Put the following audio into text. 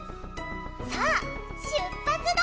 さあ出発だ